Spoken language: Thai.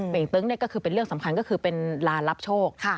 ่งตึ้งก็คือเป็นเรื่องสำคัญก็คือเป็นลานรับโชค